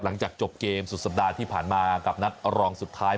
หลังจากจบเกมสุดสัปดาห์ที่ผ่านมากับนัดรองสุดท้าย